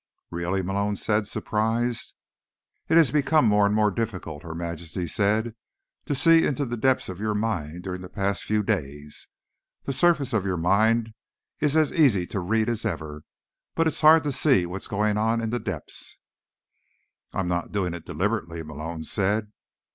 "Really?" Malone said, surprised. "It's become more and more difficult," Her Majesty said, "to see into the depths of your mind, during the past few days. The surface of your mind is as easy to read as ever, but it's hard to see what's going on in the depths." "I'm not doing it deliberately," Malone said.